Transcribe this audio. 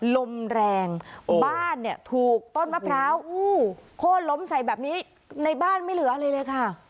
ลมแรงบ้านเนี่ยถูกต้นมะพร้าวโค้นล้มใส่แบบนี้ในบ้านไม่เหลืออะไรเลยค่ะ